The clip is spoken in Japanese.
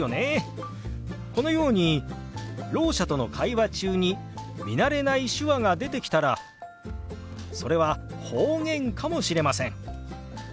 このようにろう者との会話中に見慣れない手話が出てきたらそれは方言かもしれません。